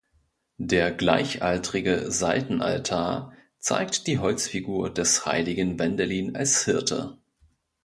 Der gleichaltrige Seitenaltar zeigt die Holzfigur des heiligen Wendelin als Hirte.